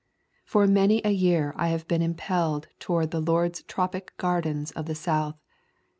For many a year I have been im pelled toward the Lord's tropic gardens of the South.